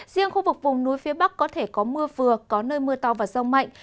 riêng khu vực vùng núi phía bắc có thể có mưa vừa có nơi mưa to và rông mạnh